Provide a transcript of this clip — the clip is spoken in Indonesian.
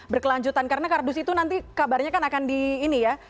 berkelanjutan karena kardus itu nanti kabarnya kan akan di ini ya